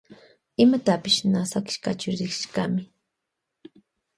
Imatapash na sakishkachu rishkami.